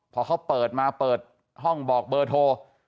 พอเขาเปิดมาเปิดห้องบอกเบอร์โทร